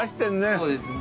そうですね。